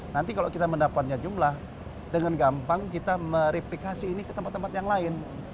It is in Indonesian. nanti kalau kita mendapatnya jumlah dengan gampang kita mereplikasi ini ke tempat tempat yang lain